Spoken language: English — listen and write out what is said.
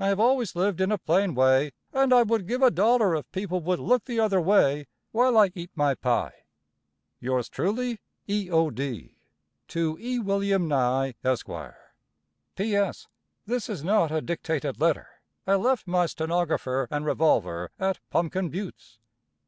I have always lived in a plain way, and I would give a dollar if people would look the other way while I eat my pie. Yours truly, E.O.D. To E. Wm. Nye, Esq. P.S. This is not a dictated letter. I left my stenograffer and revolver at Pumpkin Buttes.